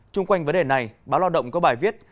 trung quanh vấn đề này báo lao động có bài viết